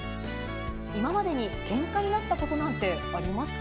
今までにけんかになったことなんてありますか？